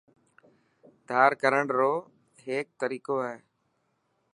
ڌار ڪرڻ رو هيڪ طريقو هي.